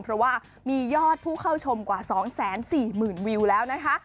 เพราะว่ามียอดผู้เข้าชมกว่า๒๔๐๐๐วิวแล้วนะคะ